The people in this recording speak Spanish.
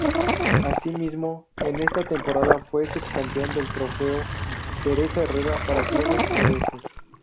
Así mismo en esta temporada fue subcampeón del Trofeo Teresa Herrera para clubes modestos.